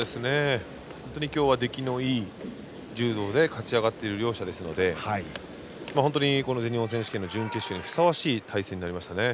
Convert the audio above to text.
今日は出来のいい柔道で勝ち上がっている両者ですので本当に全日本選手権の準決勝にふさわしい対戦になりましたね。